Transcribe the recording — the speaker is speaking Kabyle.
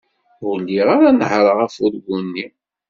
Ur lliɣ ara nehhṛeɣ afurgu-nni.